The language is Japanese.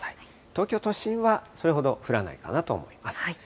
東京都心はそれほど降らないかなと思います。